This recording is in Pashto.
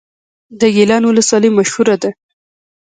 د ګیلان ولسوالۍ مشهوره ده